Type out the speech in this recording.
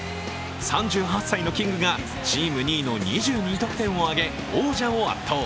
３８歳のキングがチーム２位の２２得点を挙げ、王者を圧倒。